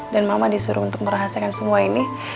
dan mama disuruh untuk merahasakan semua ini